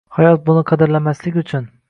Hayot buni qadrlamaslik uchun